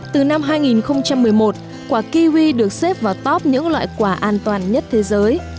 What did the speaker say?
từ năm hai nghìn một mươi một quả kiwi được xếp vào top những loại quả an toàn nhất thế giới